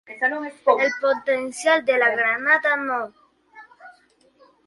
El potencial de la granada No.